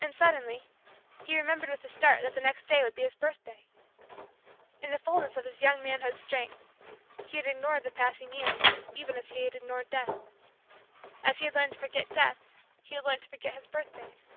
And, suddenly, he remembered with a start that the next day would be his birthday. In the fullness of his young manhood's strength, he had ignored the passing years even as he had ignored Death. As he had learned to forget Death, he had learned to forget his birthdays.